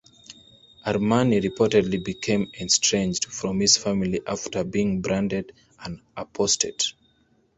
Armani reportedly became estranged from his family after being branded an apostate.